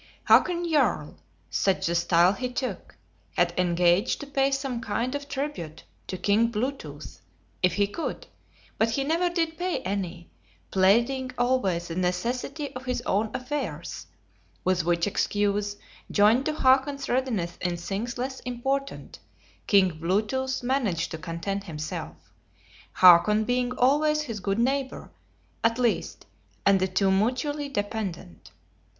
Hakon Jarl, such the style he took, had engaged to pay some kind of tribute to King Blue tooth, "if he could;" but he never did pay any, pleading always the necessity of his own affairs; with which excuse, joined to Hakon's readiness in things less important, King Blue tooth managed to content himself, Hakon being always his good neighbor, at least, and the two mutually dependent.